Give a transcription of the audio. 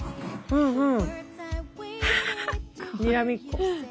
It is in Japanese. うん。